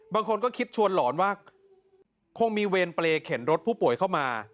บางคนก็คิดชวนหลอนว่าคงมีเวรเปรย์เข็นรถผู้ป่วยเข้ามา